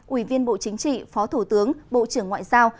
ủy viên bộ chính trị phó thủ tướng bộ trưởng ngoại giao